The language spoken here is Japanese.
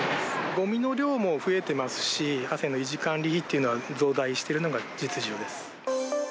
ごみの量も増えてますし、河川の維持管理費っていうのは増大しているのが実情です。